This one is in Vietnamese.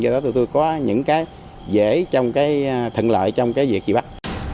do đó tụi tôi có những cái dễ trong cái thận lợi trong cái việc chịu bắt